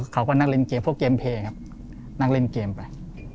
เขาก็นั่งเล่นเกมพวกเกมเพลงครับนั่งเล่นเกมไป